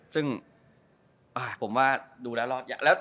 ขอบคุณดูแลรอดอย่าง